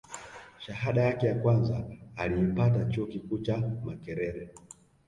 shahada yake ya kwanza aliipata chuo kikuu cha makerere